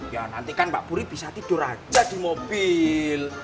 ya nanti kan mbak puri bisa tidur aja di mobil